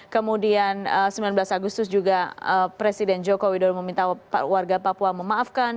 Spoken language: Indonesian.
kemudian sembilan belas agustus juga presiden joko widodo meminta warga papua memaafkan